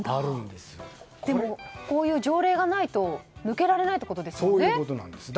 でもこういう条例がないと抜けられないということですよね。